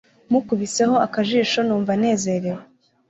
mukubiseho akajijo numva nezerewe